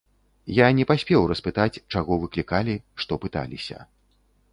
Я не паспеў распытаць, чаго выклікалі, што пыталіся.